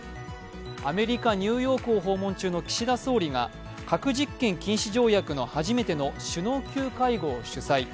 アメリカ・ニューヨークを訪問中の岸田総理が核実験禁止条約の初めての首脳級会合を主催。